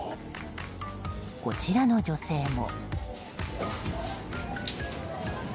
こちらの女性も。